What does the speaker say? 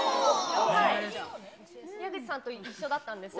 矢口さんと一緒だったんですよ。